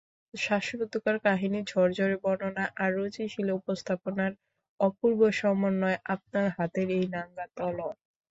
শাসরুদ্ধকর কাহিনী ঝরঝরে বর্ণনা আর রুচিশীল উপস্থাপনার অপূর্ব সমন্বয় আপনার হাতের এই নাঙ্গা তলোয়ার।